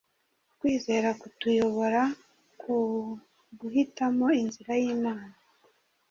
ukwizera kutuyobora ku guhitamo inzira y’Imana.